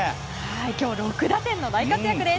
今日６打点の大活躍です。